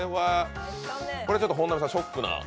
これ、本並さん、ショックな。